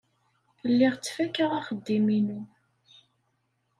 Lliɣ ttfakaɣ axeddim-inu.